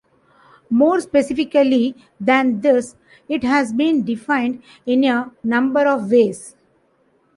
More specifically than this, it has been defined in a number of ways.